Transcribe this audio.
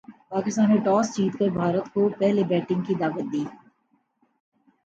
پاکستان نے ٹاس جیت کر بھارت کو پہلے بیٹنگ کی دعوت دی۔